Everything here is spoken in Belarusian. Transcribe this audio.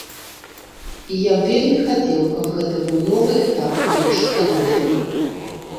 І я б вельмі хацеў, каб гэта быў новы этап у нашых адносінах.